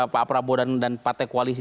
pak prabowo dan partai koalisi